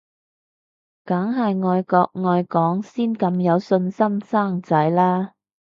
梗係愛國愛港先咁有信心生仔啦